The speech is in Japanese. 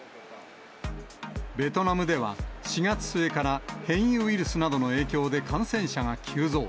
ベトナムでは４月末から変異ウイルスなどの影響で感染者が急増。